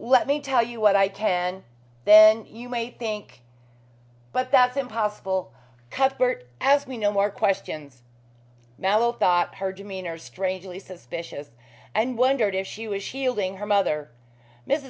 Let me tell you what I can. Then you may think but that's impossible. Cuthbert, ask me no more questions." Mallow thought her demeanor strangely suspicious, and wondered if she was shielding her mother. Mrs.